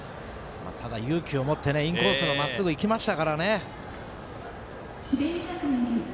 ただ、勇気を持ってインコースのまっすぐいきましたからね。